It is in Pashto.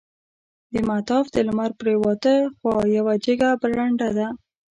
د مطاف د لمر پریواته خوا یوه جګه برنډه ده.